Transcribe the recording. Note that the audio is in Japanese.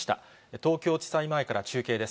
東京地裁前から中継です。